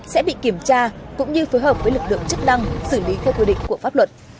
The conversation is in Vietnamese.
sẽ bị kiểm tra cũng như phối hợp với lực lượng chức năng xử lý theo quy định của pháp luật